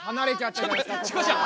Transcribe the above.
チコちゃん！